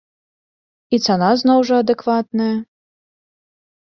І цана зноў жа адэкватная.